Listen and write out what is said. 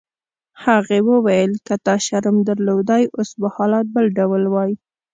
هغې وویل: که تا شرم درلودای اوس به حالات بل ډول وای.